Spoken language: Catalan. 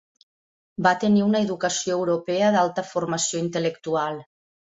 Va tenir una educació europea d'alta formació intel·lectual.